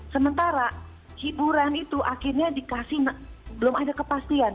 sementara hiburan itu akhirnya dikasih belum ada kepastian